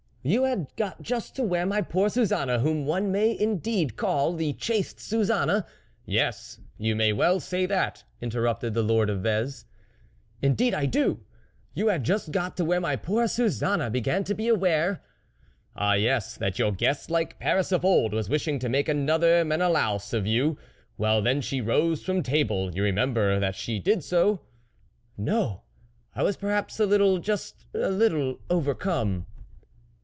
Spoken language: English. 44 You had got just to where my poor Suzanne, whom one may indeed call 4 the chaste Suzanna ...'' 44 Yes, you may well say that !" inter rupted the lord of Vez. 44 Indeed, I do ! You had just got to where my poor Suzanne began to be aware ...." THE WOLF LEADER 69 " Ah, yes that your guest like Paris of old was wishing to make another Menelaus of you ; well, then she rose from table ... You remember that she did so ?"" No ... I was perhaps a little just a little overcome."